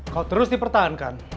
kalau terus dipertahankan